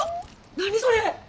何それ！